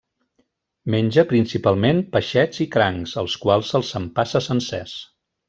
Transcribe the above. Menja principalment peixets i crancs, els quals se'ls empassa sencers.